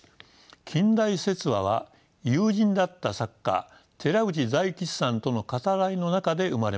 「近代説話」は友人だった作家寺内大吉さんとの語らいの中で生まれました。